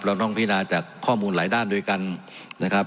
เราต้องพินาจากข้อมูลหลายด้านด้วยกันนะครับ